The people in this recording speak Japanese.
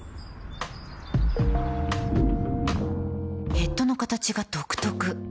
ヘッドの形が独特